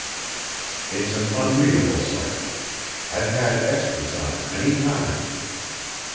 (It's an unreadable cipher. I've had experts on it many times.)